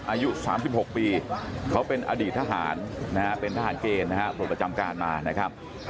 อายุ๓๖ปีเขาเป็นอดีตทหารนะฮะเป็นทหารเกณฑ์นะฮะปลดประจำการมานะครับ